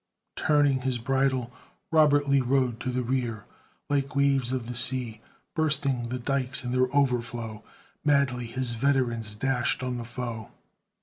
Turning his bridle, Robert Lee Rode to the rear. Like waves of the sea, Bursting the dikes in their overflow, Madly his veterans dashed on the foe.